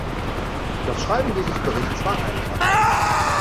Das Schreiben dieses Berichts war einfach.